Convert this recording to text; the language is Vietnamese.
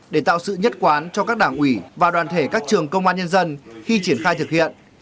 để tạo sự nhất quán cho các đảng ủy và đoàn thể các trường công an nhân dân khi triển khai thực hiện